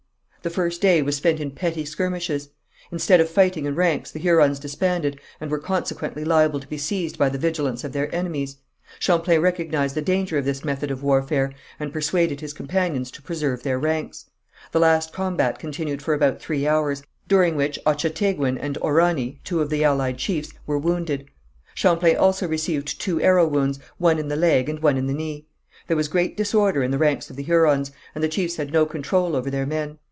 The first day was spent in petty skirmishes. Instead of fighting in ranks, the Hurons disbanded, and were consequently liable to be seized by the vigilance of their enemies. Champlain recognized the danger of this method of warfare, and persuaded his companions to preserve their ranks. The last combat continued for about three hours, during which Ochateguin and Orani, two of the allied chiefs, were wounded. Champlain also received two arrow wounds, one in the leg and one in the knee. There was great disorder in the ranks of the Hurons, and the chiefs had no control over their men.